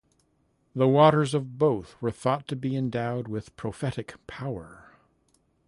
The waters of both were thought to be endowed with prophetic power.